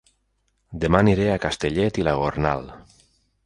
Dema aniré a Castellet i la Gornal